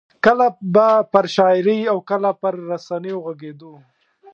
کله به پر شاعرۍ او کله پر رسنیو غږېدو.